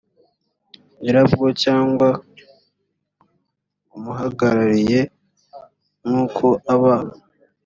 nyirabwo cyangwa umuhagarariye nk uko aba